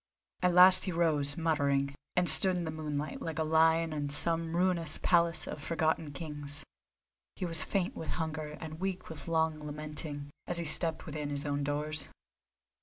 At last he rose, muttering, and stood in the moonlight, like a lion in some ruinous palace of forgotten kings. He was faint with hunger and weak with long lamenting, as he stepped within his own doors.